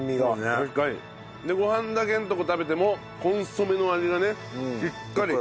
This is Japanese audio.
でご飯だけのところを食べてもコンソメの味がねしっかり。